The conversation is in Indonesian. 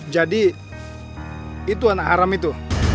jadi itu anak aram itu